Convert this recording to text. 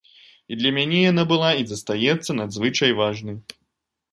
І для мяне яна была і застаецца надзвычай важнай.